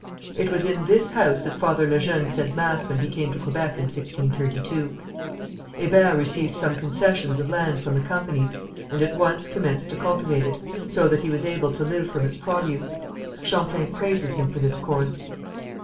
It was in this house that Father Le Jeune said mass when he came to Quebec in 1632. Hébert received some concessions of land from the companies, and at once commenced to cultivate it, so that he was able to live from its produce. Champlain praises him for this course.